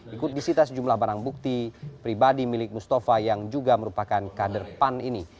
ikut disita sejumlah barang bukti pribadi milik mustafa yang juga merupakan kader pan ini